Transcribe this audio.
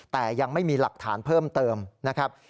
แต่ยังไม่มีหลักฐานเพิ่มเติมนะครับ